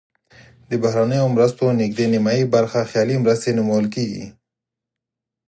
د بهرنیو مرستو نزدې نیمایي برخه خیالي مرستې نومول کیږي.